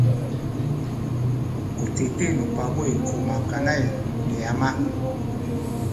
u titi nu pabuy ku makanay ni ama.